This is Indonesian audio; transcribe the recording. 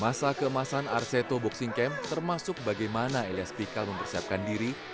masa keemasan arseto boxing camp termasuk bagaimana elias pikal mempersiapkan diri